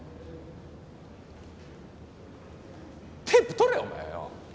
テープ取れお前よ。